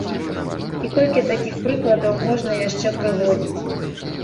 І колькі такіх прыкладаў можна яшчэ прыводзіць.